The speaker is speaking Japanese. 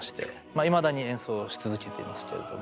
いまだに演奏し続けていますけれども。